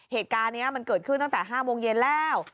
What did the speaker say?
เหตุการณ์นี้มันเกิดขึ้นตั้งแต่๕โมงเย็นแล้ว